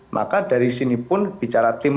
maka dari sini pun bicara tim